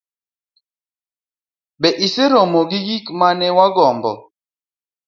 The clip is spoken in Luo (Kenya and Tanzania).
be iseromo gi gik ma ne wagombo?